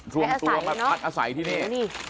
รวมตัวมาพักอาศัยที่นี่